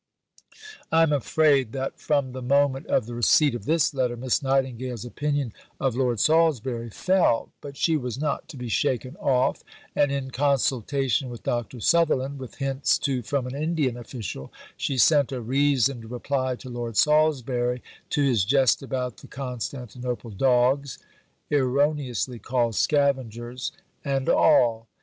I am afraid that from the moment of the receipt of this letter Miss Nightingale's opinion of Lord Salisbury fell; but she was not to be shaken off, and, in consultation with Dr. Sutherland (with hints, too, from an Indian official), she sent a reasoned reply to Lord Salisbury, to his jest about the Constantinople dogs (erroneously called scavengers) and all.